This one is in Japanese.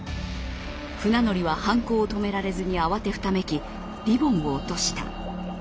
船乗りは犯行を止められずに慌てふためきリボンを落とした。